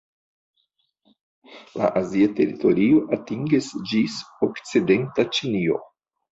La azia teritorio atingas ĝis okcidenta Ĉinio.